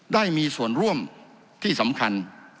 ได้มีส่วนร่วมที่สำคัญ